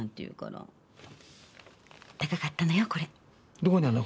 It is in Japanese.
どこにあるんだ？